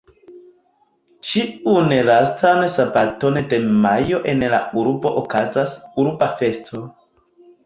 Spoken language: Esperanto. Ĉiun lastan sabaton de majo en la urbo okazas Urba Festo.